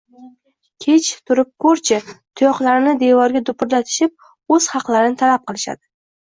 Kech turib ko`rchi, tuyoqlarini devorga dupurlatishib, o`z haqlarini talab qilishadi